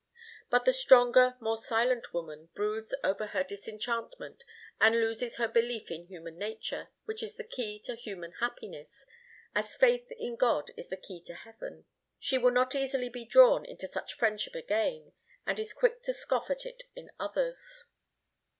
But the stronger, more silent woman, broods over her disenchantment and loses her belief in human nature, which is the key to human happiness, as faith in God is the key to heaven. She will not easily be drawn into such friendship again, and is quick to scoff at it in others.